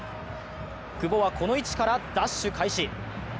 久保はこの位置からダッシュ開始。